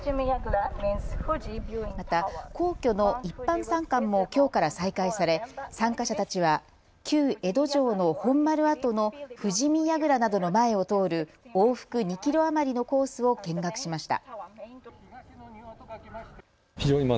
また、皇居の一般参観もきょうから再開され参加者たちは旧江戸城の本丸跡の富士見櫓などの前を通る往復２キロ余りのコースを見学しました。